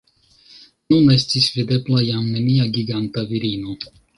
Nun estis videbla jam nenia giganta virino.